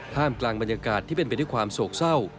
กลางบรรยากาศที่เป็นไปด้วยความโศกเศร้า